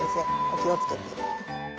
お気を付けて。